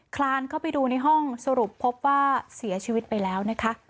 คลานเข้าไปดูในห้องสรุปพบว่าเสียชีวิตไปแล้วนะคะ